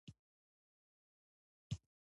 پیلوټ د اضطراري حالتونو لپاره پلان لري.